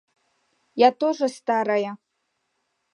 Я тоже старая.